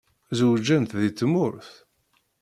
Zewǧent deg tmurt?